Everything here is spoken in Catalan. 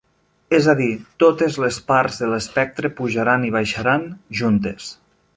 És a dir, totes les parts de l'espectre pujaran i baixaran juntes.